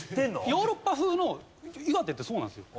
ヨーロッパ風の岩手ってそうなんですよ。